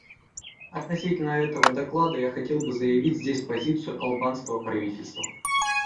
Относительно этого доклада я хотел бы заявить здесь позицию албанского правительства.